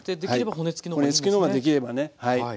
骨付きの方ができればねはい。